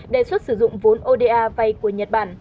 đề xuất sử dụng vốn oda vay của nhật bản